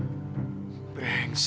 dia pikir gue itu yang berhasil